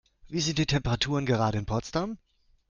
Wie sind die Temperaturen gerade in Potsdam?